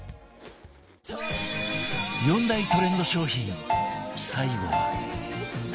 ４大トレンド商品最後は